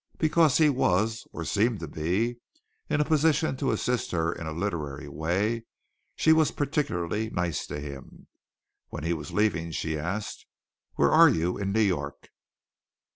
Because he was or seemed to be in a position to assist her in a literary way she was particularly nice to him. When he was leaving she asked, "Where are you in New York?"